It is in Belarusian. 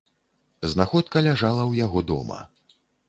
Знаходка ляжала ў яго дома.